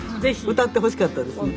歌ってほしかったですね。